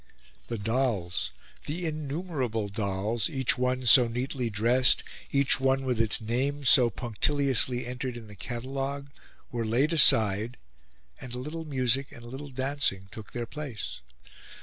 The dolls the innumerable dolls, each one so neatly dressed, each one with its name so punctiliously entered in the catalogue were laid aside, and a little music and a little dancing took their place.